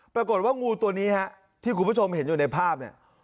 ปรากฏว่างูตัวนี้ฮะที่คุณผู้ชมเห็นอยู่ในภาพเนี่ย